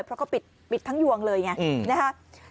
เพราะเขาปิดทั้งยวงเลยอย่างนี้นะคะ